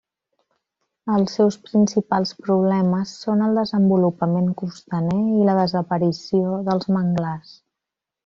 Els seus principals problemes són el desenvolupament costaner i la desaparició dels manglars.